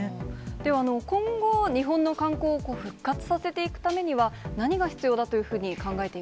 では今後、日本の観光を復活させていくためには、何が必要だというふうに考